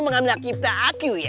mengambil akibat aku ya